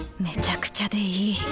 めちゃくちゃでいい。